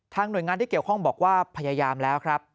หน่วยงานที่เกี่ยวข้องบอกว่าพยายามแล้วครับ